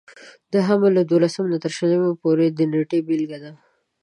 د حمل له دولسم تر شلم پورې د نېټې بېلګه ده.